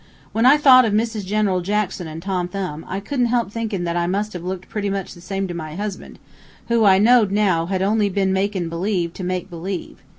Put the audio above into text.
When I thought of Mrs. General Jackson and Tom Thumb, I couldn't help thinkin' that I must have looked pretty much the same to my husband, who, I knowed now, had only been makin' believe to make believe.